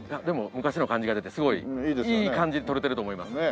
でも昔の感じが出てすごいいい感じに撮れてると思います。